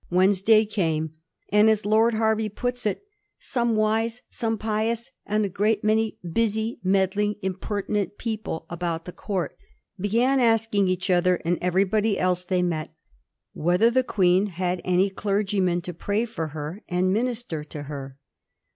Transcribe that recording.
Wednesday came ; and, as Lord Hervey puts it, " some wise, some pious, and a great many busy, meddling, impertinent peo ple about the Court " began asking each other, and every body else they met, whether the Queen had any clergyman to pray for her and minister to her.